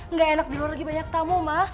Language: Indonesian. nggak enak di luar lagi banyak tamu mah